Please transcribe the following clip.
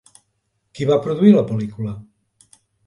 Qui va produir la pel·lícula?